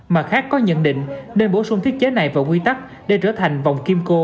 mặt khác có nhận định nên bổ sung thiết chế này vào quy tắc để trở thành vòng kim cô